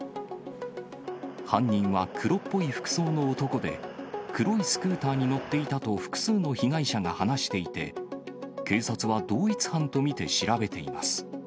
犯人は黒っぽい服装の男で、黒いスクーターに乗っていたと、複数の被害者が話していて、警察は同一犯と見て調べています。